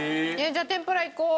じゃあ天ぷらいこう。